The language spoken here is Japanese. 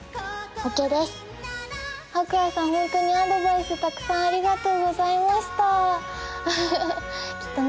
ホントにアドバイスたくさんありがとうございましたきっとね